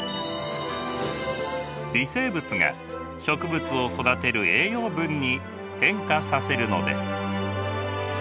微生物が植物を育てる栄養分に変化させるのです。